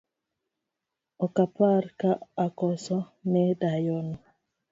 Okapar ka akoso ne dayono